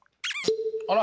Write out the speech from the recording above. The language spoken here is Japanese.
あら！